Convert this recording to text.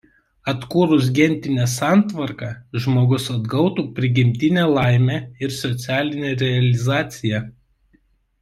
Atkūrus gentinę santvarką žmogus atgautų prigimtinę laimę ir socialinę realizaciją.